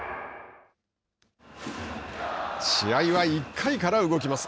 試合は１回から動きます。